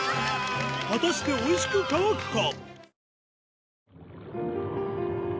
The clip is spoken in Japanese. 果たしておいしく乾くか？